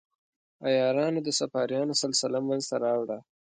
عیارانو د صفاریانو سلسله منځته راوړه.